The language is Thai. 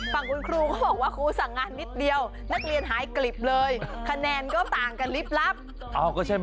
ตรงเรี๋ยาเล่า